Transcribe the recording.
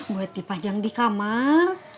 buat dipajang di kamar